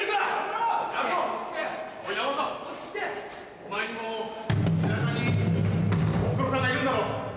お前にも田舎におふくろさんがいるんだろ。